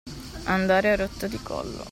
Andare a rotta di collo.